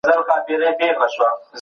تدريس د ځانګړي مضمون وړاندي کول دي.